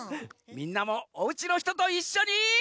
みんなもおうちのひとといっしょに。